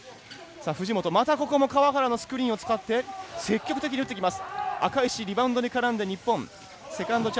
また川原のスクリーンを使って積極的に打ってきます。